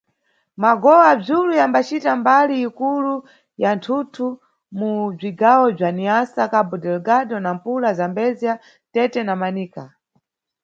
Magowa-dzulu yambacita mbali ikulu ya mtunthu mu bzigawo bza Niassa, Cabo-Delegado, Nampula, Zambézia, Tete na Manica.